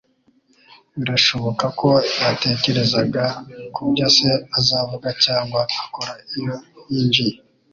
Birashoboka ko yatekerezaga kubyo se azavuga cyangwa akora iyo yinjiye.